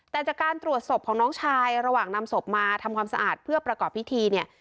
แต่จากการตรวจศพของน้องชายระหว่างนำศพมาทำความสะอาดเพื่อประกอบพิธีเนี่ย